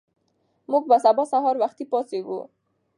موږ به سبا سهار وختي پاڅېږو.